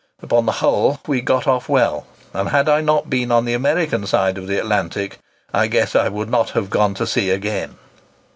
Upon the whole, we got off well; and, had I not been on the American side of the Atlantic, I 'guess' I would not have gone to sea again."